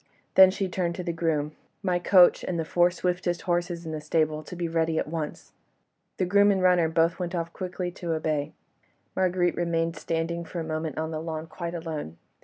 Then she turned to the groom: "My coach and the four swiftest horses in the stables, to be ready at once." The groom and runner both went quickly off to obey. Marguerite remained standing for a moment on the lawn quite alone.